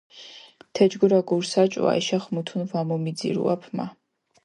თეჯგურა გურსაჭვო აიშახ მუთუნ ვამომიძირუაფჷ მა.